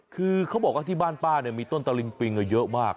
คือเขาบอกว่าที่บ้านป้าเนี่ยมีต้นตะลิงปิงเยอะมาก